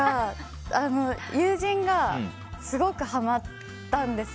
友人がすごくはまったんですよ。